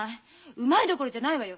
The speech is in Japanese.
うまいどころじゃないわよ。